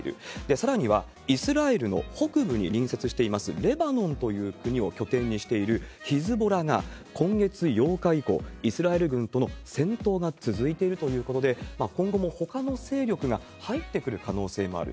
さらには、イスラエルの北部に隣接していますレバノンという国を拠点にしているヒズボラが、今月８日以降、イスラエル軍との戦闘が続いているということで、今後もほかの勢力が入ってくる可能性もある。